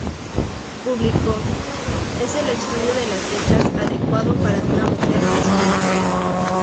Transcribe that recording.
Publicó "¿Es el estudio de las letras adecuado para una mujer cristiana?